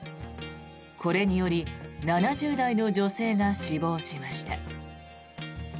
これにより７０代の女性が死亡しました。